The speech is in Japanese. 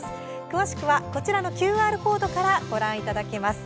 詳しくはこちらのＱＲコードからご覧いただけます。